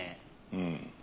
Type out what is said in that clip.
うん。